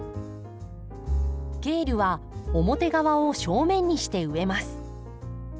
ケールは表側を正面にして植えます。